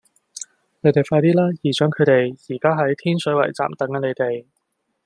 你哋快啲啦!姨丈佢哋而家喺天水圍站等緊你哋